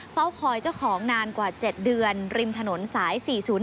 เฝ้าคอยเจ้าของนานกว่า๗เดือนริมถนนสาย๔๐